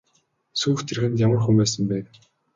Сүйх тэргэнд ямар хүн байсан бэ?